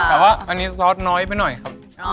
แต่ว่าอันนี้ซอสน้อยไปหน่อยครับ